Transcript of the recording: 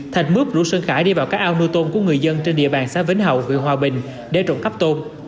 thạch mước rủ sơn khải đi vào các ao nuôi tôn của người dân trên địa bàn xã vĩnh hậu huyện hòa bình để trộn cắp tôn